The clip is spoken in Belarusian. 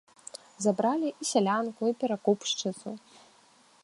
Забралі і сялянку і перакупшчыцу.